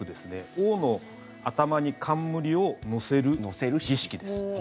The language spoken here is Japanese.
王の頭に冠を載せる儀式です。